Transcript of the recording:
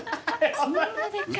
こんなでっかい。